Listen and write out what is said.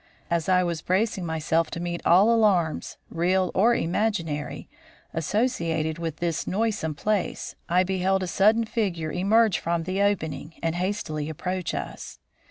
As I was bracing myself to meet all alarms, real or imaginary, associated with this noisome place, I beheld a sudden figure emerge from the opening and hastily approach us.